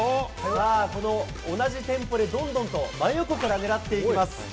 さあ、この同じテンポでどんどんと真横からねらっていきます。